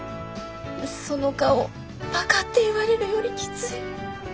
その顔バカって言われるよりきつい。